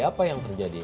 apa yang terjadi